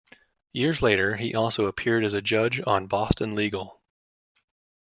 Years later, he also appeared as a judge on "Boston Legal".